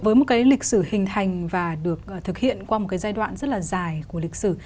với một cái lịch sử hình thành và được thực hiện qua một cái giai đoạn rất là dài của lịch sử